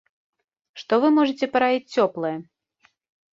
Што вы можаце параіць цёплае?